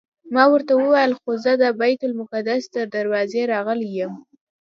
ما ورته وویل خو زه د بیت المقدس تر دروازې راغلی یم.